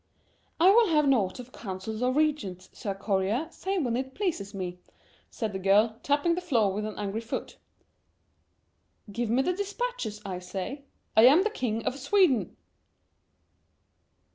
"I will have naught of councils or regents, Sir Courier, save when it pleases me," said the girl, tapping the floor with an angry foot. "Give me the dispatches, I say, I am the King of Sweden!"